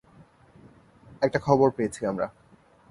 একটা খবর পেয়েছি আমরা।